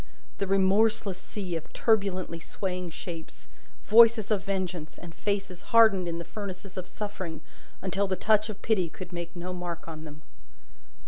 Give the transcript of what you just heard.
The remorseless sea of turbulently swaying shapes, voices of vengeance, and faces hardened in the furnaces of suffering until the touch of pity could make no mark on them.